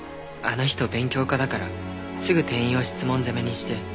あの人勉強家だからすぐ店員を質問攻めにして。